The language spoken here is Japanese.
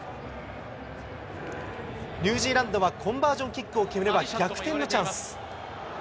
ニュージーランドは、コンバージョンキックを決めれば逆転のチャンス。